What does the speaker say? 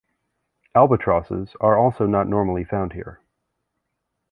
Albatrosses are also not normally found here.